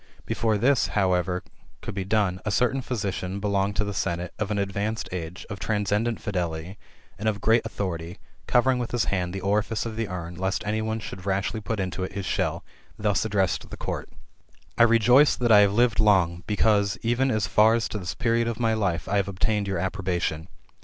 Before this, however, could be done, a certain physician belonging to the senate, of an advanced age, of transcendent fidelity, and of great authority, covering with his hand the orifice of the urn, lest any one should rashly put into it his shell, thus addressed the court :" I rejoice that I have lived long, because, even as far as to this period of my life, I have obtained your ap probation.